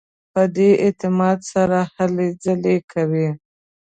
په دې اعتماد سره هلې ځلې کوي.